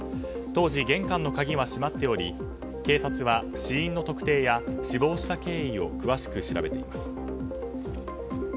当時、玄関の鍵は閉まっており警察は死因の特定や死亡した経緯を詳しく調べています。